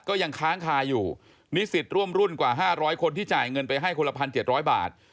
ก็ยังค้างคาอยู่นิสิตร่วมรุ่นกว่า๕๐๐คนที่จ่ายเงินไปให้คนละ๑๗๐๐บาท